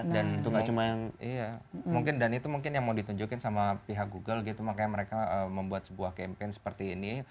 dan itu mungkin yang mau ditunjukin sama pihak google gitu makanya mereka membuat sebuah campaign seperti ini